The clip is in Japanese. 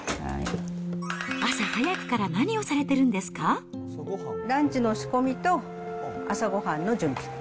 朝早くから何をされてるんでランチの仕込みと、朝ごはんの準備。